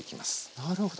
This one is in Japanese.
なるほど。